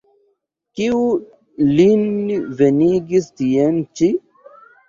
Kiu lin venigis tien ĉi?